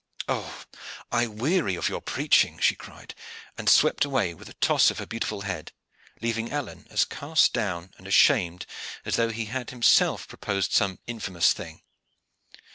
"Oh, I weary of your preaching!" she cried, and swept away with a toss of her beautiful head, leaving Alleyne as cast down and ashamed as though he had himself proposed some infamous thing.